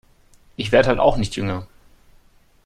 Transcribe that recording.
Ich werd halt auch nicht jünger.